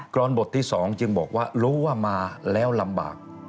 รอบทที่๒จึงบอกว่ารู้ว่ามาแล้วลำบาก